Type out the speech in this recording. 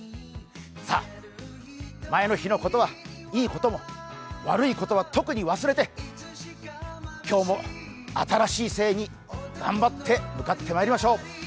さあ、前の日のことはいいことも悪いことは特に忘れて今日も新しい生に頑張って向かってまいりましょう！